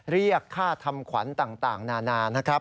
เรียกค่าทำขวัญต่างนานานะครับ